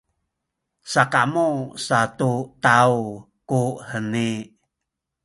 sakamu sa tu taw kuheni.